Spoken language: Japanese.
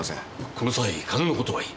この際金のことはいい。